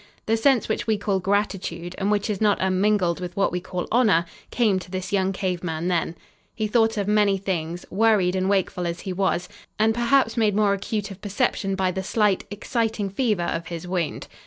The sense which we call gratitude, and which is not unmingled with what we call honor, came to this young cave man then. He thought of many things, worried and wakeful as he was, and perhaps made more acute of perception by the slight, exciting fever of his wound.